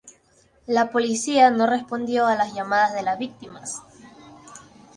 La policía no respondió a las llamadas de las víctimas.